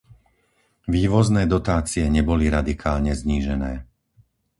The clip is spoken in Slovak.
Vývozné dotácie neboli radikálne znížené.